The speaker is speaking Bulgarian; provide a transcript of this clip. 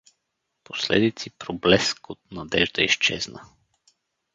Последици проблеск от надежда изчезна.